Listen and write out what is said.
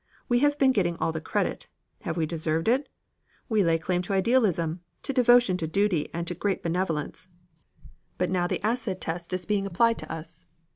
We have been getting all the credit. Have we deserved it? We lay claim to idealism, to devotion to duty and to great benevolence, but now the acid test is being applied to us.